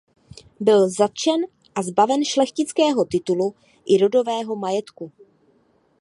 Byl zatčen a zbaven šlechtického titulu i rodového majetku.